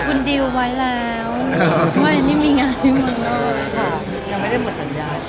ยังไม่ได้หมดสัญญา